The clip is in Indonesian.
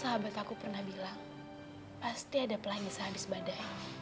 sahabat aku pernah bilang pasti ada pelan yang bisa habis badai